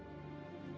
aku mau makan